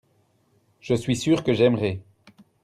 je suis sûr que j'aimerai.